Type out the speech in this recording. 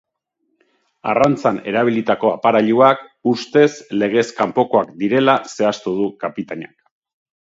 Arrantzan erabilitako aparailuak ustez legez kanpokoak direla zehaztu du kapitainak.